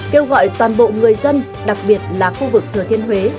kêu gọi toàn bộ người dân đặc biệt là khu vực thừa thiên huế